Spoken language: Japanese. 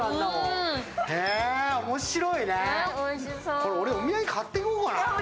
これ、お土産買って帰ろうかな。